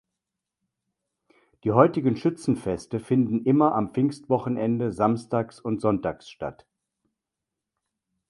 Die heutigen Schützenfeste finden immer am Pfingstwochenende Samstags und Sonntags statt.